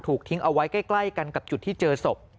ทิ้งเอาไว้ใกล้กันกับจุดที่เจอศพ